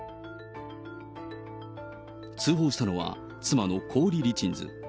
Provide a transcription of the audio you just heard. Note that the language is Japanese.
通報したのは、妻のコーリ・リチンズ。